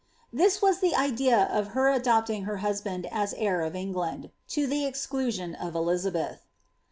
" This was the idea of her adopt ing her husband as heir of England.' lo the exclusion of Elizabetb.